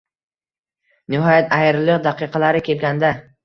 Nihoyat ayriliq daqiqalari kelganda